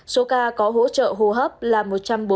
số ca có hỗ trợ hô hấp là một trăm bốn mươi ca